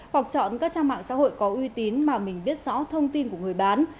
hoặc chọn các trang mạng xã hội có uy tín mà mình biết rõ thông tin của người bán